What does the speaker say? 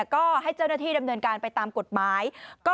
ก็ให้เจ้าหน้าที่ดำเนินการไปตามกฎหมาย